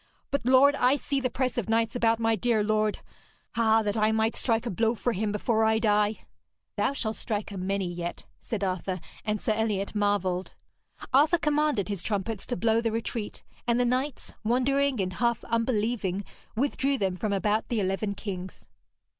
But, lord, I see the press of knights about my dear lord. Ah, that I might strike a blow for him before I die!' 'Thou shalt strike a many yet,' said Arthur, and Sir Eliot marvelled. Arthur commanded his trumpets to blow the retreat, and the knights, wondering and half unbelieving, withdrew them from about the eleven kings.